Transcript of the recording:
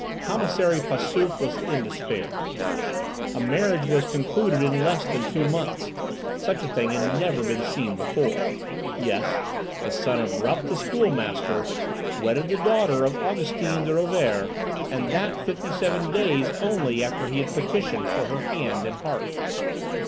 Commissary Passauf was in despair. A marriage was concluded in less than two months,—such a thing had never been seen before. Yes, the son of Rupp, the schoolmaster, wedded the daughter of Augustine de Rovere, and that fifty seven days only after he had petitioned for her hand and heart!